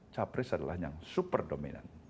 capres adalah yang super dominan